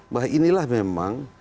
bahwa inilah memang